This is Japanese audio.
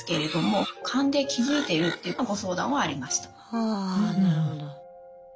はなるほど。